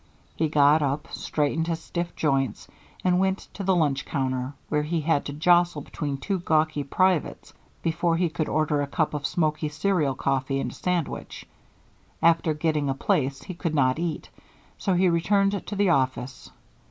He got up, straightened his stiff joints, and went to the lunch counter, where he had to jostle between two gawky privates before he could order a cup of smoky cereal coffee and a sandwich. After getting a place he could not eat, so he returned to the office.